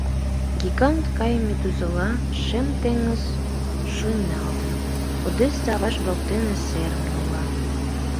Гигант гай медузыла Шем теҥыз шуйналтын, Одесса-аваж воктен серым нула.